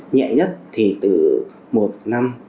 nhẹ nhất thì từ một năm